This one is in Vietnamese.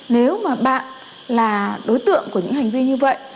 nếu mà bạn là đối tượng của những hành vi như vậy